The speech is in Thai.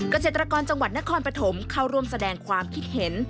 เกษตรกรจังหวัดนครปฐมเข้าร่วมแสดงความคิดเห็น